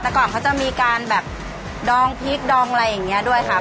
แต่ก่อนเขาจะมีการแบบดองพริกดองอะไรอย่างนี้ด้วยค่ะ